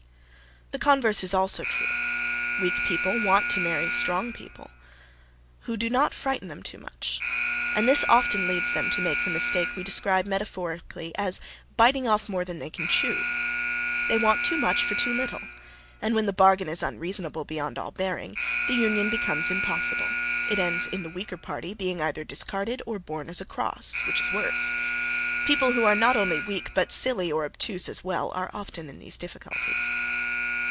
The converse is also true. Weak people want to marry strong people who do not frighten them too much; and this often leads them to make the mistake we describe metaphorically as "biting off more than they can chew." They want too much for too little; and when the bargain is unreasonable beyond all bearing, the union becomes impossible: it ends in the weaker party being either discarded or borne as a cross, which is worse. People who are not only weak, but silly or obtuse as well, are often in these difficulties.